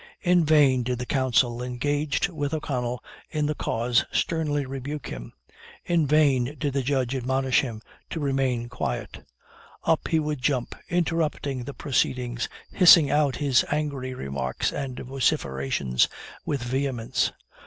In vain did the counsel engaged with O'Connell in the cause sternly rebuke him; in vain did the judge admonish him to remain quiet; up he would jump, interrupting the proceedings, hissing out his angry remarks and vociferations with vehemence.